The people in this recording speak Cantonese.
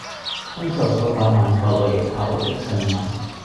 深受數百萬各類型客戶的信任